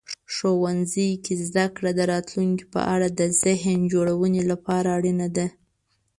ښوونځي کې زده کړه د راتلونکي په اړه د ذهن جوړونې لپاره اړینه ده.